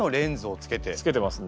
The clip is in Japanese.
つけてますね。